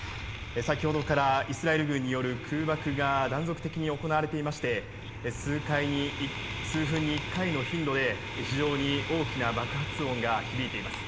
先ほどからイスラエル軍による空爆が断続的に行われていまして数分に１回の頻度で非常に大きな爆発音が響いています。